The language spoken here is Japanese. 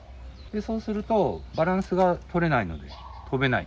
そうすると、バランスが取れないので飛べない。